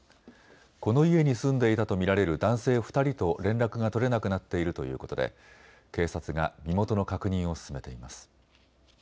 この家に住んでいたと見られる男性２人と連絡が取れなくなっているということで警察が身元の確認を進めています。